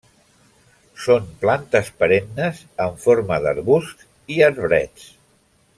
Són plantes perennes en forma d'arbusts i arbrets.